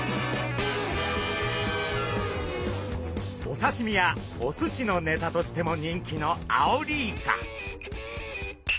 おさしみやおすしのネタとしても人気のアオリイカ。